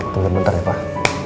tunggu sebentar ya pak